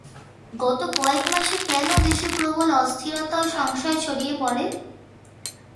গত কয়েক মাসে কেন দেশে প্রবল অস্থিরতা ও সংশয় ছড়িয়ে পড়ে?